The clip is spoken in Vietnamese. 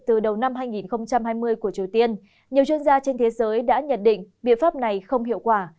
từ đầu năm hai nghìn hai mươi của triều tiên nhiều chuyên gia trên thế giới đã nhận định biện pháp này không hiệu quả